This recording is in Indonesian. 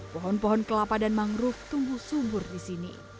pohon pohon kelapa dan mangrove tumbuh subur di sini